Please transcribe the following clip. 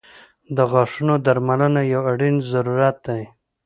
• د غاښونو درملنه یو اړین ضرورت دی.